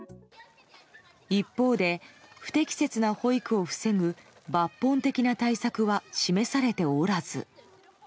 一方で不適切な保育を防ぐ抜本的な対策は示されておらず。